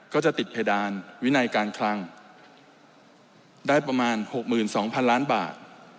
ก็จะติดเพดานวินัยการคลังได้ประมาณ๖๒๐๐๐ล้านบาท